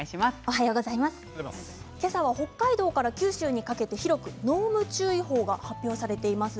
今朝は北海道から九州にかけて広く濃霧注意報が発表されています。